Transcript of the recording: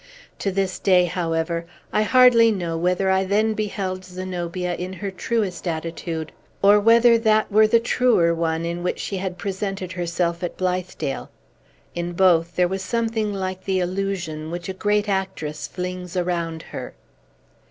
To this day, however, I hardly know whether I then beheld Zenobia in her truest attitude, or whether that were the truer one in which she had presented herself at Blithedale. In both, there was something like the illusion which a great actress flings around her.